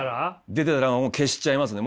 出てたらもう消しちゃいますね。